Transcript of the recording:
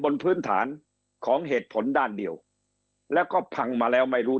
บนพื้นฐานของเหตุผลด้านเดียวแล้วก็พังมาแล้วไม่รู้